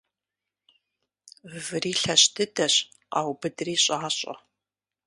Выри лъэщ дыдэщ къаубыдри щIащIэ.